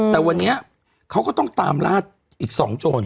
แต่วันนี้เขาก็ต้องตามลาดอีก๒โจร